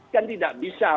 kan tidak bisa